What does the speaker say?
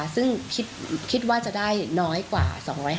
ซึ่งคิดว่าจะได้น้อยกว่า๒๕